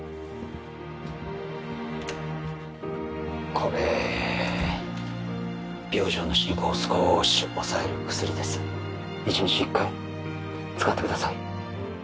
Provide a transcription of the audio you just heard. これ病状の進行を少し抑える薬です１日１回使ってください